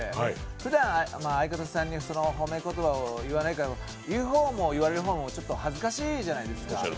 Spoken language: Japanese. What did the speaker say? ふだん、相方さんに褒め言葉を言わないから言う方も言われる方もちょっと恥ずかしいじゃないですか。